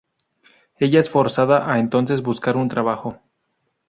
Ella es forzada a entonces buscar un trabajo.